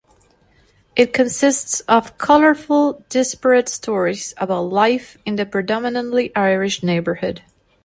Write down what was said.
It consists of colorful, disparate stories about life in the predominantly Irish neighborhood.